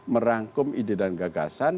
merangkum ide dan gagasan